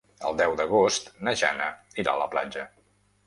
El deu d'agost na Jana irà a la platja.